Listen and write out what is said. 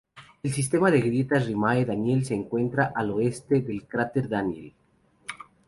El sistema de grietas Rimae Daniell se encuentra al oeste del cráter Daniell.